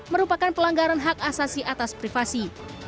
merupakan pelanggaran hak asasi atas privasi